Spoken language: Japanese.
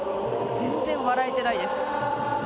全然笑えてないです。